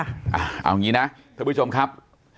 เอาอย่างนี้นะท่านผู้ชมครับ